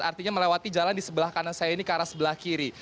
artinya melewati jalan di sebelah kanan saya ini ke arah sebelah kiri